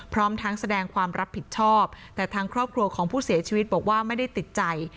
พร้อมทั้งแสดงความรับผิดชอบแต่ทางครอบครัวของผู้เสียชีวิตบอกว่าไม่ได้ติดใจ